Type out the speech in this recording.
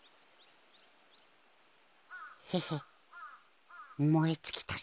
ヘヘもえつきたぜ。